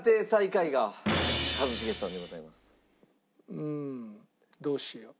うんどうしよう。